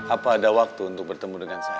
apa ada waktu untuk bertemu dengan saya